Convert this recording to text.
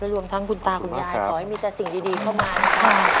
รวมทั้งคุณตาคุณยายขอให้มีแต่สิ่งดีเข้ามานะครับ